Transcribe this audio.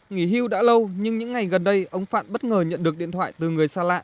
nghỉ hưu đã lâu nhưng những ngày gần đây ông phạn bất ngờ nhận được điện thoại từ người xa lạ